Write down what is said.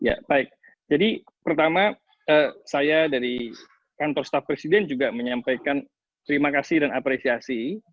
ya baik jadi pertama saya dari kantor staf presiden juga menyampaikan terima kasih dan apresiasi